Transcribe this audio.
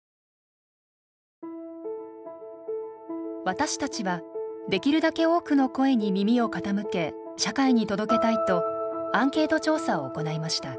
私たちはできるだけ多くの声に耳を傾け社会に届けたいとアンケート調査を行いました。